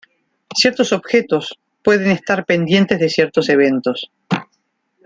Ciertos objetos pueden estar pendientes de ciertos eventos.